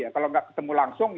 kalau nggak ketemu langsung